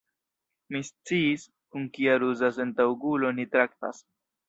Mi sciis, kun kia ruza sentaŭgulo ni traktas.